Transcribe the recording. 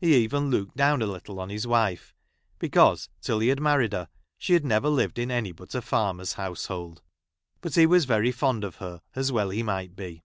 He even looked down a little on his wife ; because, till he had | married her, she had never lived in any but a i farmer's household. But he was very fond of jl her, as well he might be.